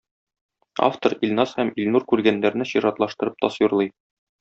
Автор Илназ һәм Илнур күргәннәрне чиратлаштырып тасвирлый.